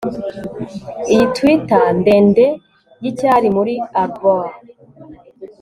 iyi twitter ndende yicyari muri arbor